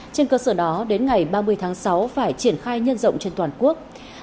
trên cơ sở đó đến ngày ba mươi tháng sáu phải triển khai nhân rộng trên toàn quốc